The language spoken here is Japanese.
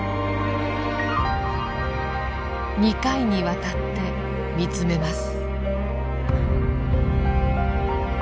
２回にわたって見つめます。